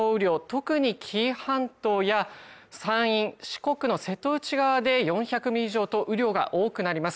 特に紀伊半島や山陰、四国の瀬戸内側で４００ミリ以上と雨量が多くなります